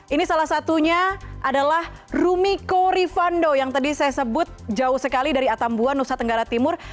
ini salah satunya adalah rumiko rivando yang tadi saya sebut jauh sekali dari atambua nusa tenggara timur